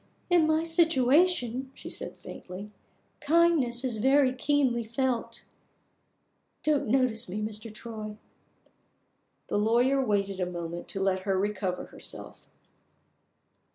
"In my situation," she said faintly, "kindness is very keenly felt. Don't notice me, Mr. Troy." The lawyer waited a moment to let her recover herself.